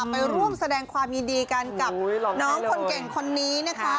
ไปร่วมแสดงความยินดีกันกับน้องคนเก่งคนนี้นะคะ